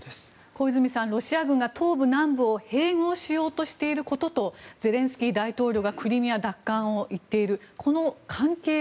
小泉さん、ロシア軍が東部・南部を併合しようとしていることとゼレンスキーがクリミア奪還を言っている